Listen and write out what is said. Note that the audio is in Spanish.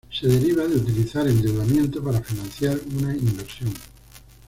Se deriva de utilizar endeudamiento para financiar una inversión.